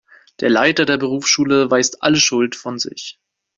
Der Leiter der Berufsschule weist alle Schuld von sich.